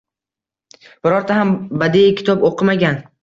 Birorta ham badiiy kitob o‘qimagan.